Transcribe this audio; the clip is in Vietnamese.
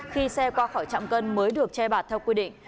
khi xe qua khỏi chạm cân mới được che bạt theo quy định